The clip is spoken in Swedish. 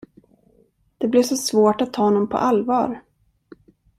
Det blev så svårt att ta honom på allvar.